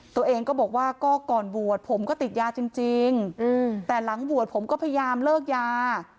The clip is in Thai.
ตัวเองก็บอกว่าก็ก่อนบวชผมก็ติดยาจริงแต่หลังบวชผมก็พยายามเลิกยา